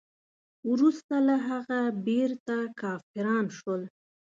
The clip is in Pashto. وروسته له هغه بیرته کافران شول.